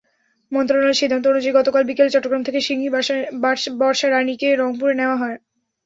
মন্ত্রণালয়ের সিদ্ধান্ত অনুযায়ী, গতকাল বিকেলে চট্টগ্রাম থেকে সিংহী বর্ষারানিকে রংপুরে নেওয়া হয়।